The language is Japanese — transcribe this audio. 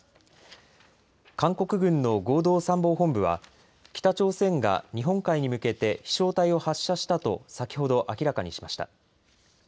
韓国軍の合同参謀本部は北朝鮮が日本海に向けて飛しょう体を発射したと先ほど明らかにしました。